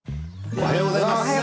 おはようございます。